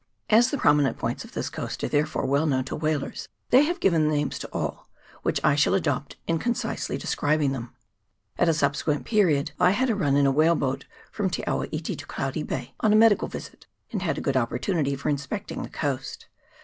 As the prominent points of this coast are therefore well known to whalers, they have given names to all, which I shall adopt in concisely de scribing them. At a subsequent period I had a run in a whale boat from Te awa iti to Cloudy Bay on a 96 WHALING HARBOURS. [PART I. medical visit, and had a good opportunity for in specting the coast.